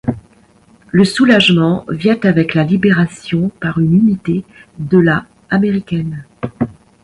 Le soulagement vient avec la Libération par une unité de la américaine.